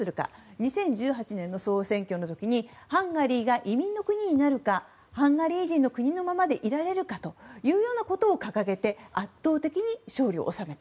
２０１８年の総選挙の時にハンガリーが移民の国になるかハンガリー人の国のままでいられるかということを掲げて、圧倒的勝利を収めた。